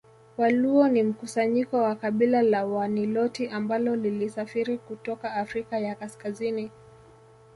Waluo ni mkusanyiko wa kabila la Waniloti ambalo lilisafiri kutoka Afrika ya Kaskazini